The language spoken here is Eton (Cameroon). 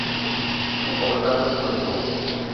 Bôbejang be ne metom